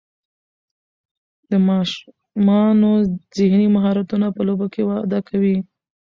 د ماشومانو ذهني مهارتونه په لوبو کې وده کوي.